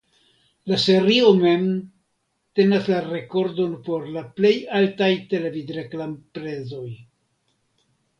La serio mem tenas la rekordon por "la plej altaj televidreklamprezoj".